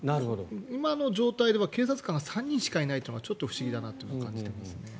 今の状態では警察官が３人しかいないというのがちょっと不思議だなと感じていますね。